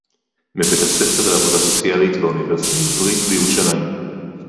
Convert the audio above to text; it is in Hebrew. מבית-הספר לעבודה סוציאלית באוניברסיטה העברית בירושלים